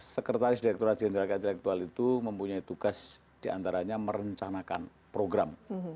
sekretaris direkturat jenderal ke intelektual itu mempunyai tugas diantaranya merencanakan program